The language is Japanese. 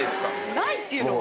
ないっていうのは？